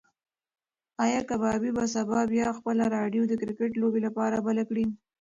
ایا کبابي به سبا بیا خپله راډیو د کرکټ د لوبې لپاره بله کړي؟